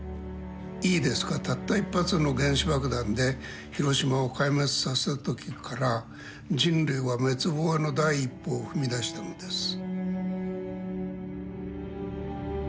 「いいですかたった一発の原子爆弾で広島を壊滅させたときから人類は滅亡の第一歩を踏み出したのです」。